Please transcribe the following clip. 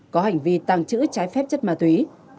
có hành vi tàng trữ trái phép chất ma túy